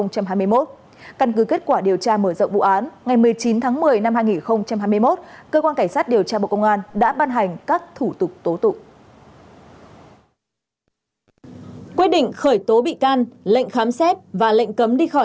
căn cứ kết quả điều tra mở rộng vụ án ngày một mươi chín tháng một mươi năm hai nghìn hai mươi một